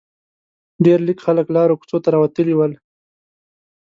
ډېر لږ خلک لارو کوڅو ته راوتلي ول.